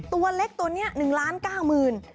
ตัวเล็กตัวนี้๑ล้าน๙หมื่น